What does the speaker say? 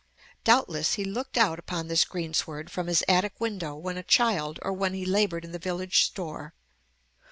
Doubtless he looked out upon this greensward from his attic window when a child or when he labored in the village store.